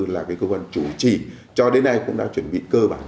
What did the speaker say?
là cái cơ quan chủ trì cho đến nay cũng đã chuẩn bị cơ bản